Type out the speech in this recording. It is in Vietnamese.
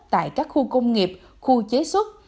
tại các khu công nghiệp khu chế xuất